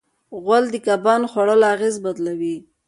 غول د کبان خوړلو اغېز بدلوي.